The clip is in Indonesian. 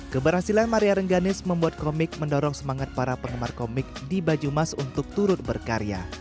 keberhasilan maria rengganis membuat komik mendorong semangat para penggemar komik di banyumas untuk turut berkarya